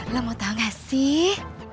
lo mau tau gak sih